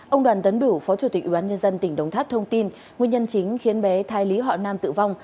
ông đoàn tấn bửu phó chủ tịch ubnd tỉnh đồng tháp thông tin nguyên nhân chính khiến bé thai lý họ nam tử vong